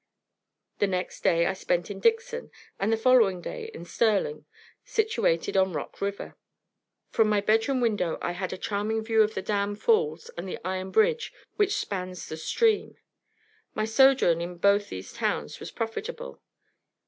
The next day I spent in Dixon, and the following day in Sterling, situated on Rock River. From my bedroom window I had a charming view of the dam falls and the iron bridge which spans the stream. My sojourn in both these towns was profitable.